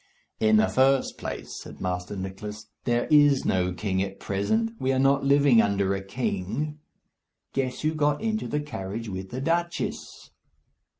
"In the first place," said Master Nicless, "there is no king at present. We are not living under a king. Guess who got into the carriage with the duchess."